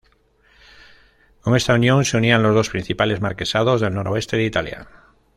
Con esta unión se unían los dos principales marquesados del noroeste de Italia.